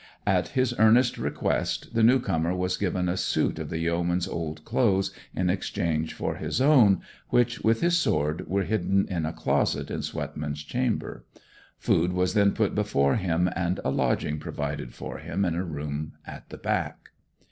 At his earnest request the new comer was given a suit of the yeoman's old clothes in exchange for his own, which, with his sword, were hidden in a closet in Swetman's chamber; food was then put before him and a lodging provided for him in a room at the back.